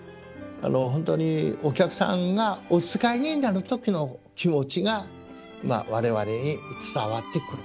本当にお客さんがお使いになる時の気持ちが我々へ伝わってくる。